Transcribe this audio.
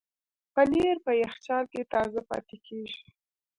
پنېر په یخچال کې تازه پاتې کېږي.